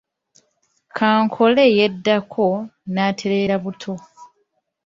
Kankole yeddako n’atereera buto.